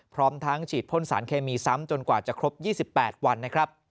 พร้อมทั้งฉีดพ่นสารเคมีซ้ำจนกว่าจะครบ๒๘วันนะครับ